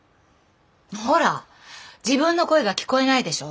ほら自分の声が聞こえないでしょ。